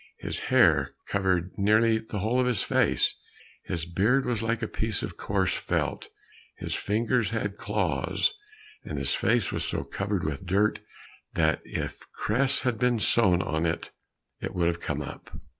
His hair covered nearly the whole of his face, his beard was like a piece of coarse felt, his fingers had claws, and his face was so covered with dirt that if cress had been sown on it, it would have come up.